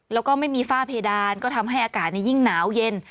แล้วก็ไม่มีฝ้าเพดานก็ทำให้อากาศยิ่งหนาวเย็น